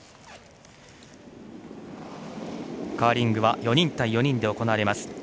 カーリングは４人対４人で行われます。